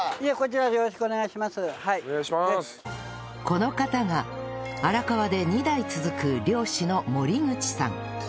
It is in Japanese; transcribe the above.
この方が荒川で２代続く漁師の森口さん